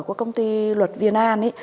của công ty luật việt nam ấy